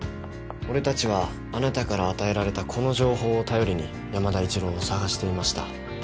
俺たちはあなたから与えられたこの情報を頼りに山田一郎を捜していました。